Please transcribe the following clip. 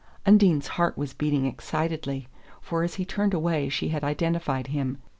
Undine's heart was beating excitedly, for as he turned away she had identified him.